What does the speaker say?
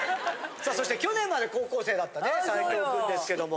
さあそして去年まで高校生だった齋藤君ですけども。